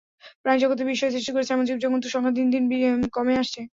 প্রাণিজগতে বিস্ময় সৃষ্টি করেছে এমন জীবজন্তুর সংখ্যা দিন দিন কমে আসছে।